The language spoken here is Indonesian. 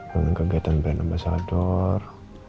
menggagetan brand ambasador